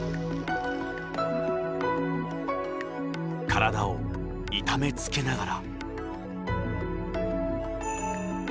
体を痛めつけながら。